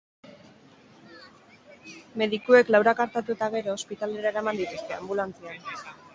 Medikuek laurak artatu eta gero, ospitalera eraman dituzte, anbulantzian.